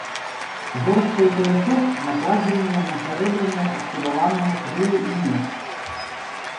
Зорачка і паясок накладзеныя на сярэбраныя аксідаваныя крылы і меч.